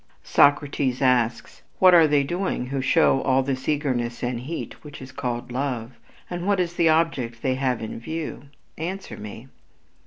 Socrates asks: "What are they doing who show all this eagerness and heat which is called love? And what is the object they have in view? Answer me."